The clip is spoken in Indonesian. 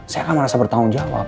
saya akan merasa bertanggung jawab